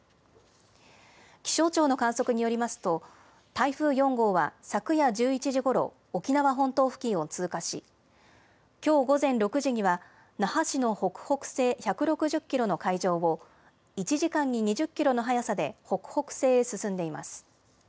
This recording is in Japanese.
気象庁の観測によりますと、台風４号は昨夜１１時ごろ、沖縄本島付近を通過し、きょう午前６時には、那覇市の北北西１６０キロの海上を、１時間に２０キロの速さで北北西へ進んでいます。